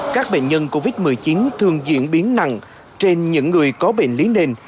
các bệnh nhân covid một mươi chín thường diễn biến nặng trên những người có bệnh lý nền